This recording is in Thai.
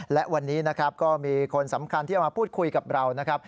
และวันนี้นะครับก็มีคนสำคัญที่เอามาพูดคุยกับเรานะครับ